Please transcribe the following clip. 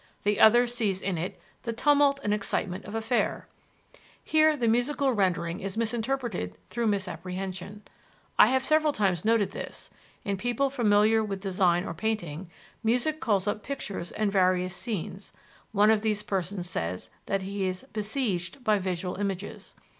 The other sees in it "the tumult and excitement of a fair." Here the musical rendering is misinterpreted through misapprehension. I have several times noted this in people familiar with design or painting, music calls up pictures and various scenes; one of these persons says that he is "besieged by visual images."